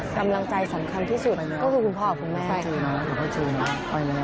กำลังใจสำคัญที่สุดก็คือคุณพ่อกับคุณแม่